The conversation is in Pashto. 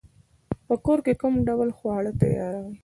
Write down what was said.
په کور کی کوم ډول خواړه تیاروئ؟